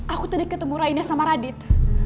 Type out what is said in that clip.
aku tadi ketemu rainah sama radit